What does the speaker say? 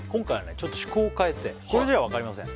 ちょっと趣向を変えてこれじゃ分かりません